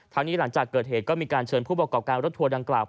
นี้หลังจากเกิดเหตุก็มีการเชิญผู้ประกอบการรถทัวร์ดังกล่าว